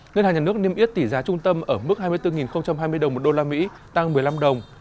ngân hàng nhà nước niêm yết tỷ giá trung tâm ở mức hai mươi bốn hai mươi đồng một đô la mỹ tăng một mươi năm đồng